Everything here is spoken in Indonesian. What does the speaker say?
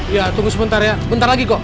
ya tunggu sebentar ya bentar lagi kok